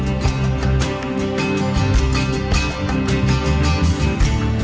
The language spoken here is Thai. แล้วครับผมสือแค่แบบนั้น